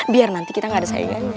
biar nanti kita gak ada saingan